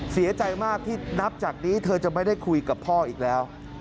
เสียใจมากที่นับจากนี้เธอจะไม่ได้คุยกับพ่ออีกแล้ว